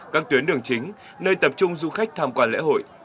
các tuyến đường chính nơi tập trung du khách tham quan lễ hội